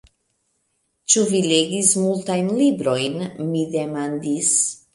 Ĉu vi legis multajn librojn? mi demandis.